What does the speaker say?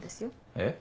えっ？